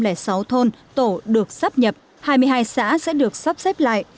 từ năm hai nghìn sáu thôn tổ được sắp nhập hai mươi hai xã sẽ được sắp xếp lại